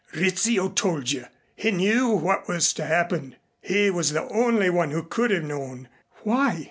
Rizzio told you He knew what was to happen he was the only one who could have known." "Why?"